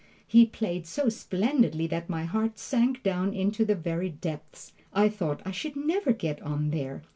He played so splendidly that my heart sank down into the very depths. I thought I should never get on there!